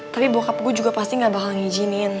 tapi bokap gue juga pasti gak bakal ngijinin